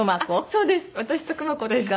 そうです。